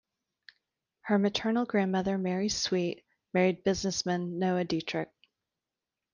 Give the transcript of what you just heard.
Her maternal grandmother, Mary Sweet, married businessman Noah Dietrich.